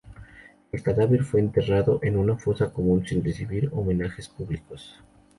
El cadáver fue enterrado en una fosa común sin recibir homenajes públicos.